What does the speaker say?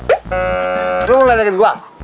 kamu mau ngeliat duit gua